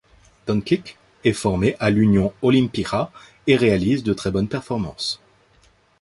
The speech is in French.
Dončić est formé à l'Union Olimpija et réalise de très bonnes performances.